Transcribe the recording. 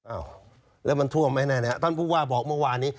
อ้าวแล้วมันท่วมไหมแน่แล้วท่านผู้ว่าบอกเมื่อวานนี้